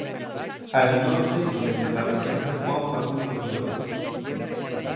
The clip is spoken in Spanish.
Al norte con el Departamento Juan Facundo Quiroga.